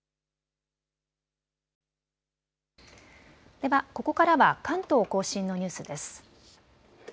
ではここからは関東甲信のニュースです。